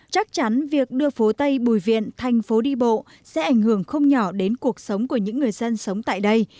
chắc chắn việc đưa phố tây bùi viện thành phố đi bộ sẽ ảnh hưởng không nhỏ đến cuộc sống của những người dân sống tại đây